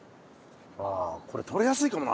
あこれ取れやすいかもな。